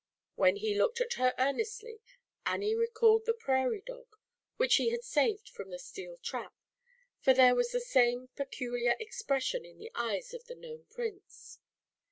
When he looked at her earnestly, Annie re ailed the Prairie Dog, which she had aved from the steel trap, for there was same peculiar expression in the eyes f the Gnome Prince.